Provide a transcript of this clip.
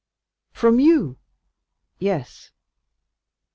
"From you?" "Yes."